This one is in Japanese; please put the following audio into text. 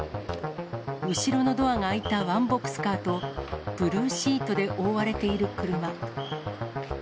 後ろのドアが開いたワンボックスカーと、ブルーシートで覆われている車。